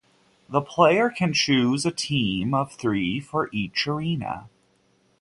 The player can choose a team of three for each area.